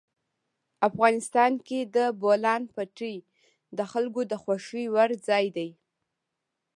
افغانستان کې د بولان پټي د خلکو د خوښې وړ ځای دی.